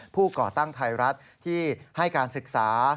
ก่อตั้งไทยรัฐที่ให้การศึกษา